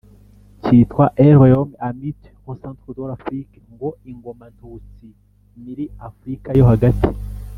cyitwa “un royaume hamite au centre de l’afrique (ngo: ingoma ntutsi miri afrika yo hagati.)”